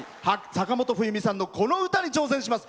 坂本冬美さんのこの歌に挑戦します。